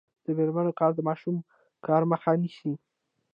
د میرمنو کار د ماشوم کار مخه نیسي.